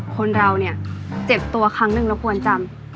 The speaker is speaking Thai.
ข้อนราวแบบเจ็ดตัวคลังหนึงแล้วควรจำ